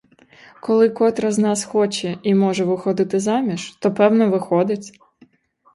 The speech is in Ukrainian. Коли котра з нас хоче і може виходити заміж, то, певно, виходить.